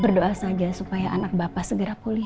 berdoa saja supaya anak bapak segera pulih